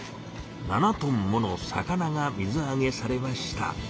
７トンもの魚が水あげされました。